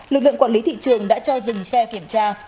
lực lượng quản lý thị trường đã cho dừng xe kiểm tra